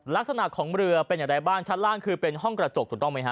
ลักษณะของเรือเป็นอย่างไรบ้างชั้นล่างคือเป็นห้องกระจกถูกต้องไหมฮ